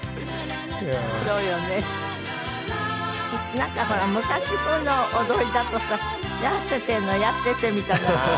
なんかほら昔風の踊りだとさヤッセセのヤッセセみたいなのでさ